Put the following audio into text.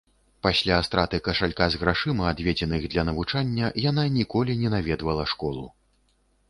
Пасля страты кашалька з грашыма, адведзеных для навучання, яна ніколі не наведвала школу.